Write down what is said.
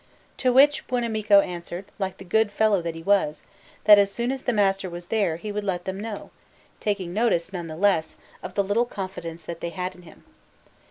To which Buonamico answered, like the good fellow that he was, that as soon as the master was there, he would let them know; taking notice, none the less, of the little confidence that they had in him.